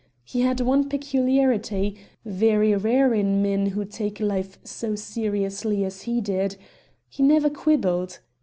He had one peculiarity, very rare in men who take life so seriously as he did: He never quibbled.